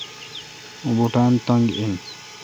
اوں بوٹان تنگ این۔